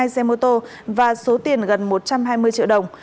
ba mươi hai xe mô tô và số tiền gần một trăm hai mươi triệu đồng